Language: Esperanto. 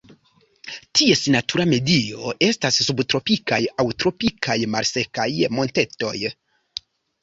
Ties natura medio estas subtropikaj aŭ tropikaj malsekaj montetoj.